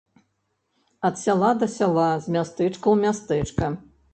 Ад сяла да сяла, з мястэчка ў мястэчка.